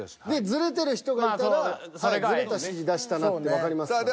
ずれてる人がいたらずれた指示出したなってわかりますから。